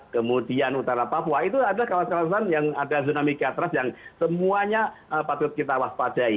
kemudian utara papua itu adalah kawasan kawasan yang ada tsunami gatras yang semuanya patut kita waspadai